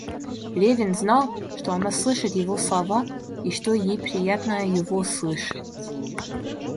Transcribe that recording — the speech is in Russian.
Левин знал, что она слышит его слова и что ей приятно его слышать.